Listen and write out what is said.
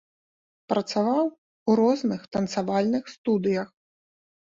Працаваў у розных танцавальных студыях.